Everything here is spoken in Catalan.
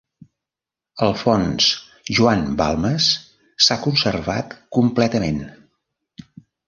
El fons Joan Balmes s'ha conservat completament.